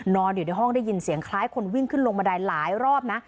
อยู่ในห้องได้ยินเสียงคล้ายคนวิ่งขึ้นลงบันไดหลายรอบนะ